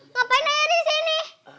ngapain ayah disini